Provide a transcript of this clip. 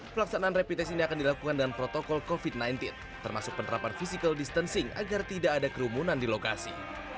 pelaksanaan rapid test ini akan dilakukan dengan protokol covid sembilan belas termasuk penerapan physical distancing agar tidak ada kerumunan di lokasi